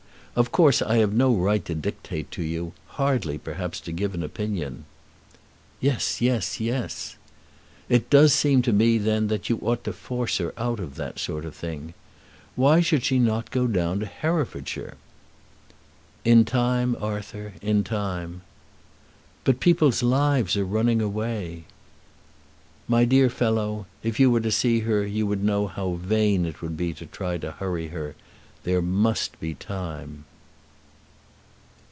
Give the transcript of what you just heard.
Of course I have no right to dictate to you, hardly, perhaps, to give an opinion." "Yes, yes, yes." "It does seem to me, then, that you ought to force her out of that kind of thing. Why should she not go down to Herefordshire?" "In time, Arthur, in time." "But people's lives are running away." "My dear fellow, if you were to see her you would know how vain it would be to try to hurry her. There must be time."